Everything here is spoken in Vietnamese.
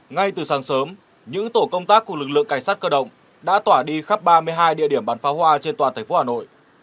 ngay từ sáng sớm những tổ công tác của lực lượng cảnh sát cơ động đã tỏa đi khắp ba mươi hai địa điểm bắn phá hoa trên toàn thành phố hà nội